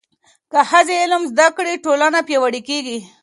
که ښځې علم زده کړي، ټولنه پیاوړې کېږي.